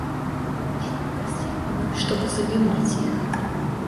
Анна вышла в гостиную, чтобы занимать их.